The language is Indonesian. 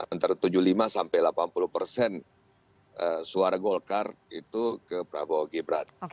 antara tujuh puluh lima sampai delapan puluh persen suara golkar itu ke prabowo gibran